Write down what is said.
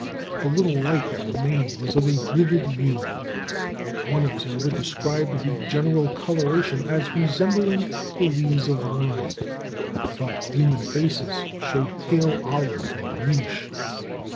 The little light that remained was of a livid hue. One observer described the general coloration as resembling the lees of wine, but human faces showed pale olive or greenish.